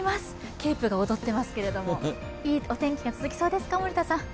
ケープが踊っていますけども、いいお天気が続きそうですか？